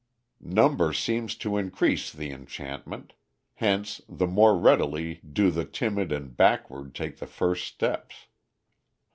Number seems to increase the enchantment; hence the more readily do the timid and backward take the first steps.